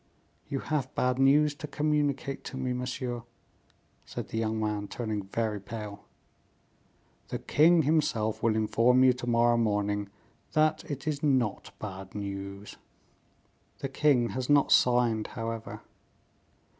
"You have bad news to communicate to me, monsieur," said the young man, turning very pale. "The king himself will inform you to morrow morning that it is not bad news." "The king has not signed, however?"